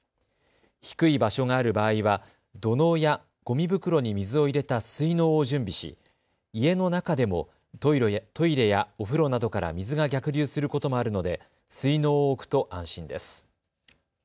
低い場所がある場合は土のうやごみ袋に水を入れた水のうを準備し家の中でもトイレやお風呂などから水が逆流することもあるので水のうを置くと安心です。